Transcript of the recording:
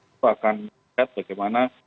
kita akan lihat bagaimana